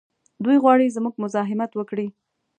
دوی غواړي زموږ مزاحمت وکړي.